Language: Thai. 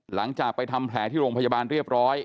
หลังจากไปทำแผลที่โรงพยาบาลเรียบร้อย